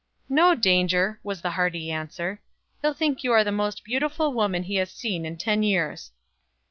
"No danger," was the hearty answer; "he'll think you are the most beautiful woman he has seen in ten years."